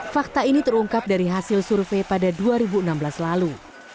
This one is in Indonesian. fakta ini terungkap dari hasil survei pada dua ribu enam belas lalu